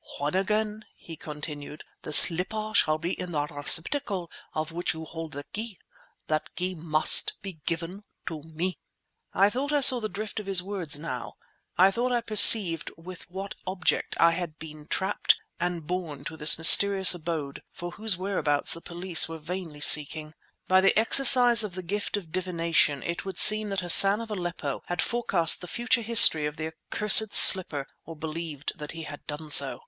"When again," he continued, "the slipper shall be in the receptacle of which you hold the key, that key must be given to me!" I thought I saw the drift of his words now; I thought I perceived with what object I had been trapped and borne to this mysterious abode for whose whereabouts the police vainly were seeking. By the exercise of the gift of divination it would seem that Hassan of Aleppo had forecast the future history of the accursed slipper or believed that he had done so.